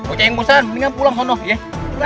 oje yang bosan mendingan pulang ke sana ya